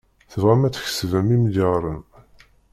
Tebɣam ad tkesbem imelyaṛen.